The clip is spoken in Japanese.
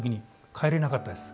変えれなかったです。